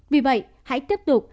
vì vậy hãy tiếp tục